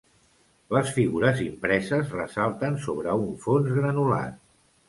Les figures impreses ressalten sobre un fons granulat.